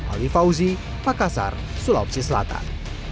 alwi fauzi makassar sulawesi selatan